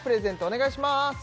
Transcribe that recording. お願いします